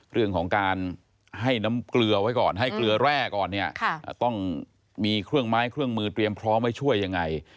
เรื่องของการให้น้ำเกลือไว้ก่อนให้เกลือแร่ก่อนเนี่ยต้องมีเครื่องไม้เครื่องมือเตรียมพร้อมไว้ช่วยยังไง